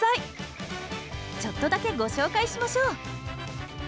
ちょっとだけご紹介しましょう！